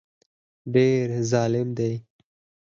ډېر ظالم دی